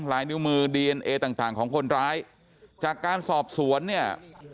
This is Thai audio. ลายนิ้วมือดีเอ็นเอต่างต่างของคนร้ายจากการสอบสวนเนี่ย